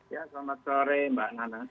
ya selamat sore mbak nana